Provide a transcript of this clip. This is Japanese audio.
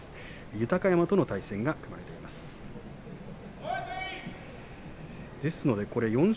豊山との対戦が組まれています。